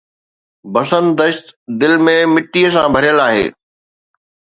بسن دشت دل ۾ مٽيءَ سان ڀريل آهي